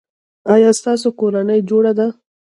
ایا ستاسو کورنۍ جوړه ده؟